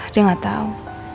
dia gak tau